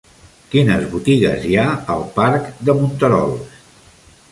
Quines botigues hi ha al parc de Monterols?